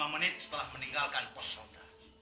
lima menit setelah meninggalkan pos sonda